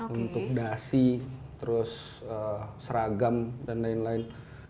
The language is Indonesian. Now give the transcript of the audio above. untuk dasi terus seragam dan lain lain